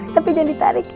tapi jangan ditarik